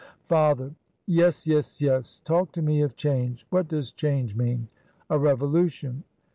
Father. "Yes, yes, yes! talk to me of change! what does change mean? A Revolution.